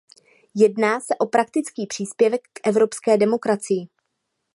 Jedná se o praktický příspěvek k evropské demokracii.